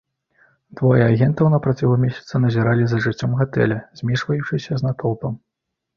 Двое агентаў на працягу месяца назіралі за жыццём гатэля, змешваючыся з натоўпам.